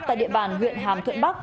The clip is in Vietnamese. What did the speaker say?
tại địa bàn huyện hàm thuận bắc